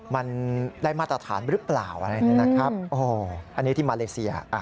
มันได้มาตรฐานหรือเปล่าอะไรเนี่ยนะครับอันนี้ที่มาเลเซีย